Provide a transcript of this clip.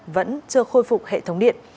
vẫn chưa khôi phục hệ thống điện